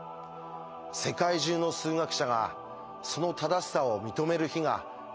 世界中の数学者がその正しさを認める日が来るのでしょうか。